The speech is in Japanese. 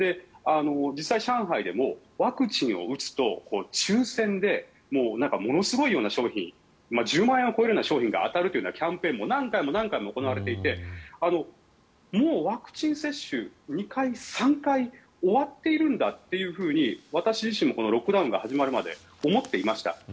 実際、上海でもワクチンを打つと抽選でものすごいような賞品１０万円を超えるような賞品が当たるというキャンペーンも何回も何回も行われていてもうワクチン接種２回、３回終わっているんだっていうふうに私自身もロックダウンが始まるまで思っていました。